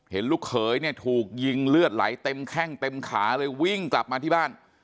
ลูกเขยเนี่ยถูกยิงเลือดไหลเต็มแข้งเต็มขาเลยวิ่งกลับมาที่บ้าน